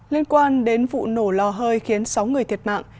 liên quan đến vụ nổ lò hơi khiến sáu người thiệt mạng